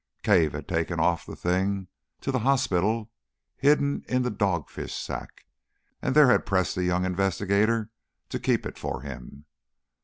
Cave had taken off the thing to the hospital hidden in the dog fish sack, and there had pressed the young investigator to keep it for him.